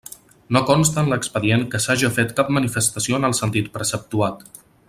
No consta en l'expedient que s'haja fet cap manifestació en el sentit preceptuat.